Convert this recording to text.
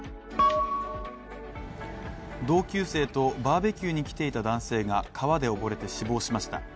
同級生とバーベキューに来ていた男性が川で溺れて死亡しました。